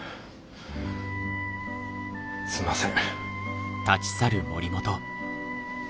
すんません。